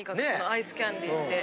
アイスキャンデーって。